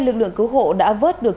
lực lượng cứu hộ đã vớt được